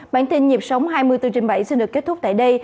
bản tin nhịp sống hai mươi bốn trên bảy xin được kết thúc tại đây